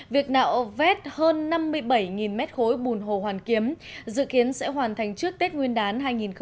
việc nạo vét hơn năm mươi bảy m ba bùn hồ hoàn kiếm dự kiến sẽ hoàn thành trước tết nguyên đán hai nghìn hai mươi